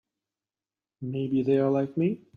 Maybe they're like me.